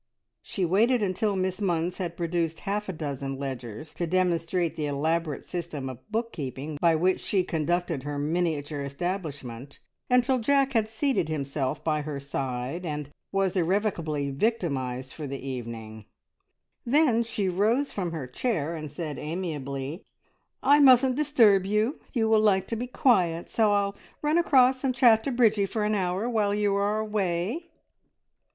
She waited until Miss Munns had produced half a dozen ledgers to demonstrate the elaborate system of book keeping by which she conducted her miniature establishment until Jack had seated himself by her side and was irrevocably victimised for the evening; then she rose from her chair and said amiably "I mustn't disturb you. You will like to be quiet, so I'll run across and chat to Bridgie for an hour, while you are away!"